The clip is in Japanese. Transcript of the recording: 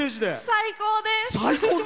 最高です！